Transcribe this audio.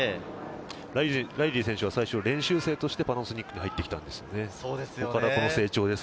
ライリー選手は練習生としてパナソニックに入ってきて、この成長です。